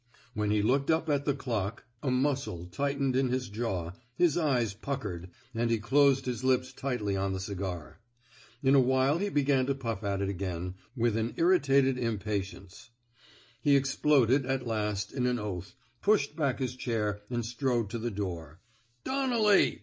When he looked up at the clock, a muscle 258 A PERSONALLY CONDUCTED REVOLT tightened in his jaw, his eyes puckered, and he closed his lips tightly on the cigar. In a while he began to puff at it again, with an irritated impatience. He exploded, at last, in an oath, pushed back his chair, and strode to the door. Don nelly!